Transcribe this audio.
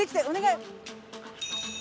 お願い！